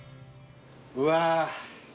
うわ。